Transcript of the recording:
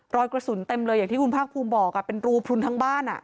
รอยกระสุนเต็มเลยอย่างที่คุณภาคภูมิบอกเป็นรูพลุนทั้งบ้าน